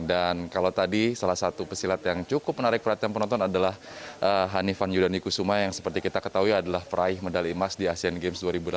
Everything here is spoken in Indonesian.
dan kalau tadi salah satu pesilat yang cukup menarik perhatian penonton adalah hanifan yudhani kusuma yang seperti kita ketahui adalah peraih medali emas di asean games dua ribu delapan belas